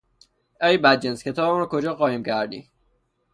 آی بدجنس! کتابم را کجا قایم کردی؟